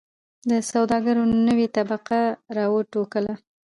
د سوداګرو نوې طبقه را و ټوکوله.